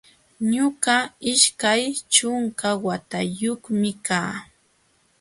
Ñuqa ishkay ćhunka watayuqmi kaa